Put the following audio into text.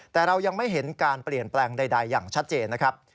แต่เรายังไม่เห็นการเปลี่ยนแปลงใดอย่างชัดเจนนะครับ